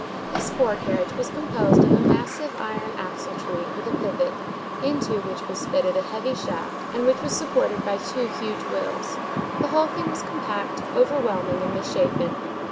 This fore carriage was composed of a massive iron axle tree with a pivot, into which was fitted a heavy shaft, and which was supported by two huge wheels. The whole thing was compact, overwhelming, and misshapen.